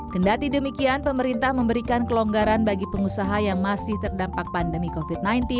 kendati demikian pemerintah memberikan kelonggaran bagi pengusaha yang masih terdampak pandemi covid sembilan belas